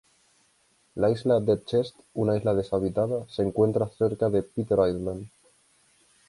La Isla Dead Chest, una isla deshabitada, se encuentra cerca de Peter Island.